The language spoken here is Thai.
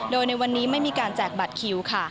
โดยในวันนี้ไม่มีการแจกบัตรคิวค่ะ